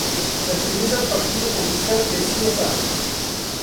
Pertenece al partido judicial de Cieza.